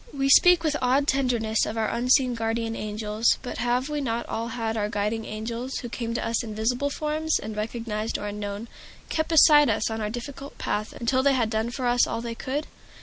We speak with awed tenderness of our unseen guardian angels, but have we not all had our guiding angels, who came to us in visible form, and, recognized or unknown, kept beside us on our difficult path until they had done for us all they could?